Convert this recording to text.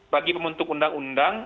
bagi pemutuk undang undang